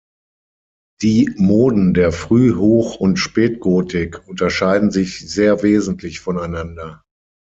Die Moden der Früh-, Hoch- und Spätgotik unterscheiden sich sehr wesentlich voneinander.